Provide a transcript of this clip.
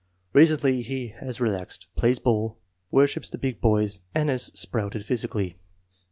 Re cently he has relaxed, plays ball, worships the big boys, and has sprouted physically.